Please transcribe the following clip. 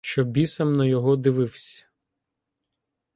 Що бісом на його дививсь.